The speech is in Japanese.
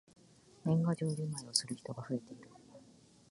年賀状じまいをする人が増えている。